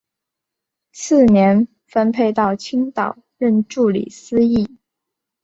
次年分配到青岛任助理司铎。